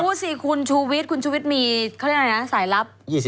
พูดสิคุณชูวิทย์คุณชูวิทย์มีอะไรนะสายลัพธ์